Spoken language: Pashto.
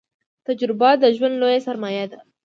تجربه د ژوند لويه سرمايه ده